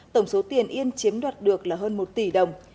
tổng số tiền yên chiếm đoạt được là hơn một tỷ đồng